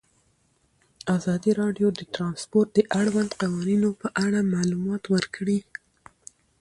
ازادي راډیو د ترانسپورټ د اړونده قوانینو په اړه معلومات ورکړي.